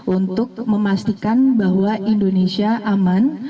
untuk memastikan bahwa indonesia aman